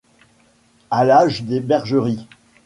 À l’âge des bergeries